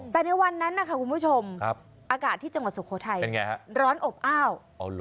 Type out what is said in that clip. แต่ในวันนั้นนะคะคุณผู้ชมอากาศที่จังหวัดสุโขทัยร้อนอบอ้าว